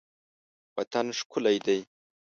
وطن ښکلی دی.